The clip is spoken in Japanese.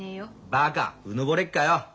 バカうぬぼれっかよ。